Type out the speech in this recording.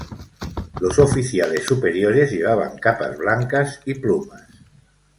Los oficiales superiores llevaban capas blancas y plumas.